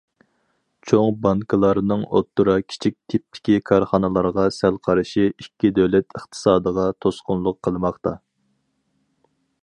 چوڭ بانكىلارنىڭ ئوتتۇرا، كىچىك تىپتىكى كارخانىلارغا سەل قارىشى ئىككى دۆلەت ئىقتىسادىغا توسقۇنلۇق قىلماقتا.